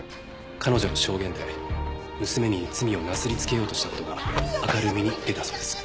彼女の証言で娘に罪をなすりつけようとした事が明るみに出たそうです。